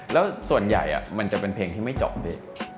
แล้วส่วนใหญ่มันจะเป็นเพลงที่ไม่จบด้วย